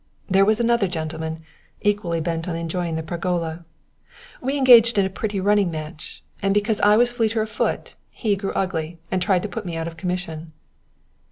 There was another gentleman, equally bent on enjoying the pergola. We engaged in a pretty running match, and because I was fleeter of foot he grew ugly and tried to put me out of commission."